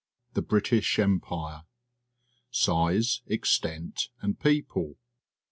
THE BRITISH EMPIRE Size, Extent, and People.